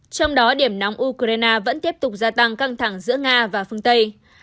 trong đó điểm nóng ukraine vẫn tiếp tục gia tăng căng thẳng giữa nga và phương tây